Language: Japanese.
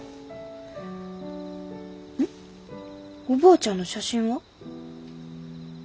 おばあちゃんの写真は？